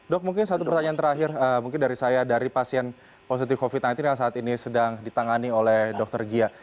dok mungkin satu pertanyaan terakhir mungkin dari saya dari pasien positif covid sembilan belas yang saat ini sedang ditangani oleh dokter gia